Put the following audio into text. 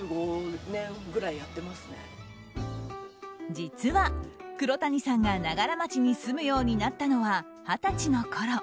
実は黒谷さんが長柄町に住むようになったのは二十歳のころ。